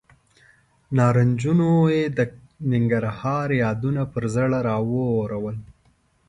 نارنجونو یې د ننګرهار یادونه پر زړه راورول.